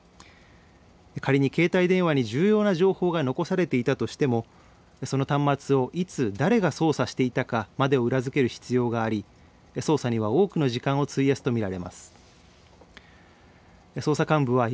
仮に携帯電話に重要な情報が残されていたとしてもその端末を、いつ誰が捜査していたかを裏付ける必要があり捜査には多くの時間を費やすとみられます。